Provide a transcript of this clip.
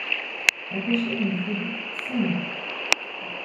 Empêcher une folie sans nom!